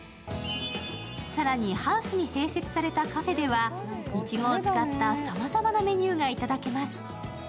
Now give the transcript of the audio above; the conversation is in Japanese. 更に、ハウスに併設されたカフェではいちごを使ったさまざまなメニューが頂けます。